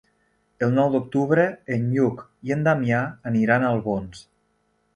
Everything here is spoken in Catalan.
El nou d'octubre en Lluc i en Damià aniran a Albons.